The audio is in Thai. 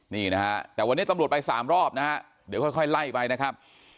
นี่นะฮะแต่วันนี้ตำรวจไปสามรอบนะฮะเดี๋ยวค่อยไล่ไปนะครับ